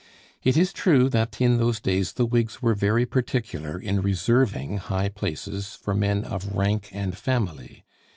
It is true that in those days the Whigs were very particular in reserving high places for men of rank and family.